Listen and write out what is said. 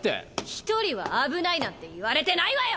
「一人は危ない」なんて言われてないわよ！